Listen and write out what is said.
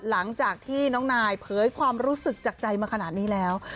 หลังจากที่น้องนายเผยความรู้สึกจากใจมาขนาดนี้แล้ว